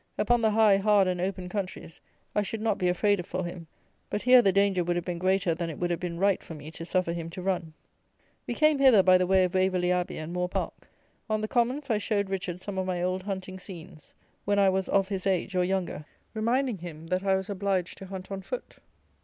Upon the high, hard and open countries, I should not be afraid for him; but here the danger would have been greater than it would have been right for me to suffer him to run. We came hither by the way of Waverley Abbey and Moore Park. On the commons I showed Richard some of my old hunting scenes, when I was of his age, or younger, reminding him that I was obliged to hunt on foot.